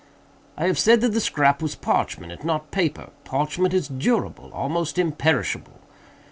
"I have said that the scrap was parchment, and not paper. Parchment is durable—almost imperishable.